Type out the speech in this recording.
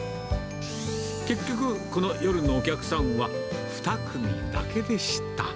結局、この夜のお客さんは２組だけでした。